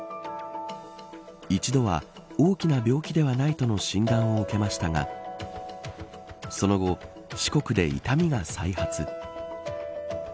一度は、大きな病気ではないとの診断を受けましたがその後、四国で痛みが再発。